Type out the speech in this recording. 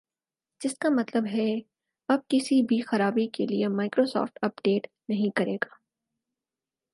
جس کا مطلب ہے اب کسی بھی خرابی کے لئے مائیکروسافٹ اپ ڈیٹ نہیں کرے گا